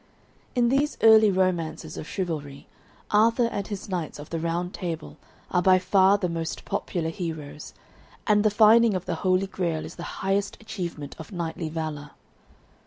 In these early romances of chivalry, Arthur and his knights of the Round Table are by far the most popular heroes, and the finding of the Holy Grail is the highest achievement of knightly valour.